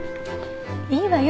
いいわよ。